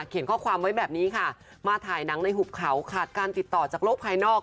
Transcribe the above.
ข้อความไว้แบบนี้ค่ะมาถ่ายหนังในหุบเขาขาดการติดต่อจากโลกภายนอก